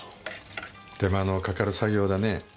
手間のかかる作業だねぇ。